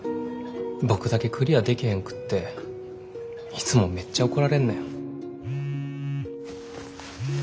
僕だけクリアでけへんくっていつもめっちゃ怒られんねん。